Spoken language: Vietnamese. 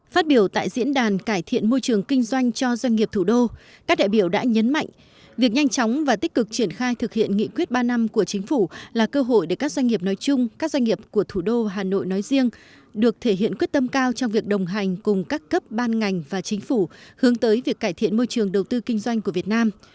phát biểu tại diễn đàn cải thiện môi trường kinh doanh cho doanh nghiệp thủ đô các đại biểu đã nhấn mạnh việc nhanh chóng và tích cực triển khai thực hiện nghị quyết ba năm của chính phủ là cơ hội để các doanh nghiệp nói chung các doanh nghiệp của thủ đô hà nội nói riêng được thể hiện quyết tâm cao trong việc đồng hành cùng các cấp ban ngành và chính phủ hướng tới việc cải thiện môi trường đầu tư kinh doanh của việt nam